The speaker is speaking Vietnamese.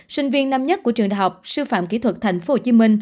sinh viên năm nhất của trường đại học sư phạm kỹ thuật tp hcm